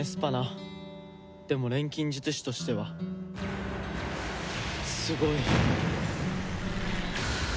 でも錬金術師としてはすごい。